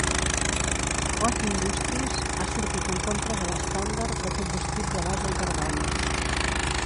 Koch Industries ha sortit en contra de l'Estàndard de combustible baix en carboni.